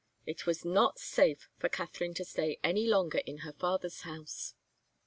It was not safe for Katharine to stay any longer in her father's house.